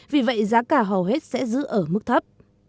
vì vậy giá cả hầu hết sẽ giữ ở mức thấp